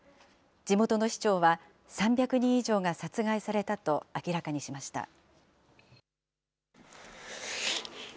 地元の市長は、３００人以上が殺害されたと明らかにしました。